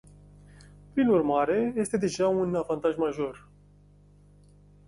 Prin urmare, este deja un avantaj major.